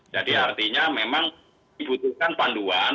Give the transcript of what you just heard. jadi artinya memang dibutuhkan panduan